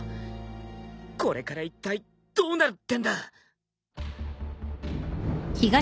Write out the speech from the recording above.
これからいったいどうなるってんだ。